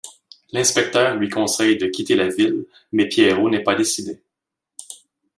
L'inspecteur lui conseille de quitter la ville mais Pierrot n'est pas décidé.